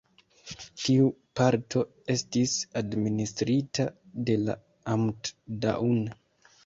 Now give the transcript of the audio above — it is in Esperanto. Tiu parto estis administrita de la Amt Daun.